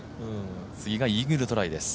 次がイーグルトライです。